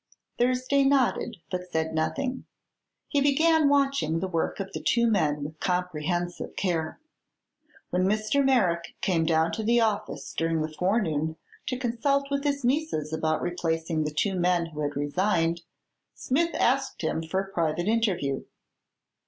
Thursday nodded but said nothing. He began watching the work of the two men with comprehensive care. When Mr. Merrick came down to the office during the forenoon to consult with his nieces about replacing the two men who had resigned, Smith asked him for a private interview.